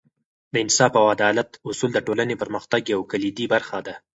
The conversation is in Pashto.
د انصاف او عدالت اصول د ټولنې پرمختګ یوه کلیدي برخه ده.